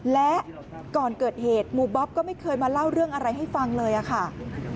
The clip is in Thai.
และก่อนเกิดเหตุหมู่บ๊อบก็ไม่เคยมาเล่าเรื่องอะไรให้ฟังเลยค่ะ